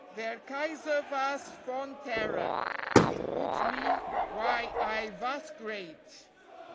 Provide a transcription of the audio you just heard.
Der Kaiser vas von terror, Unt me—vhy, I vas great!